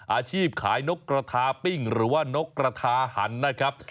อาชีพขายนกกระทาปิ้งหรือว่านกกระทาหันนะครับ